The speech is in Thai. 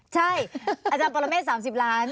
ใช่อาจารย์ปรเมฆ๓๐ล้าน